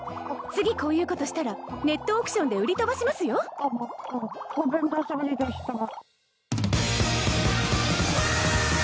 次こういうことしたらネットオークションで売り飛ばしますよゴボゴボごめんなさいでした